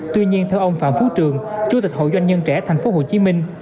tuy nhiên theo ông phạm phú trường chủ tịch hội doanh nhân trẻ thành phố hồ chí minh